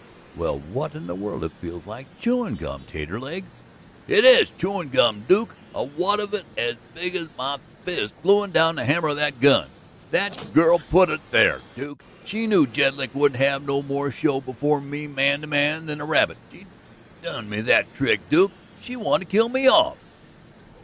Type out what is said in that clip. "Well! What in the world it feels like chewin' gum, Taterleg." "It is chewin' gum, Duke. A wad of it as big as my fist gluin' down the hammer of that gun. That girl put it on there, Duke. She knew Jedlick wouldn't have no more show before me, man to man, than a rabbit. She done me that trick, Duke; she wanted to kill me off."